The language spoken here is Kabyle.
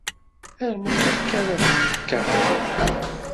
Ar melmi akka ara tekkateḍ nneḥ?